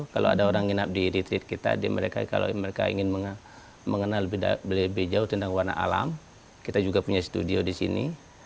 kalau ada orang nginap di retreat kita di mereka kalau mereka ingin mengenal lebih jauh tentang warna alam kita juga punya studio di sini